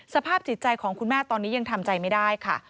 สภาพจิตใจของคุณแม่ตอนนี้ยังทำใจไม่ได้ค่ะ